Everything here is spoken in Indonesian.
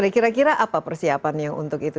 kira kira apa persiapannya untuk itu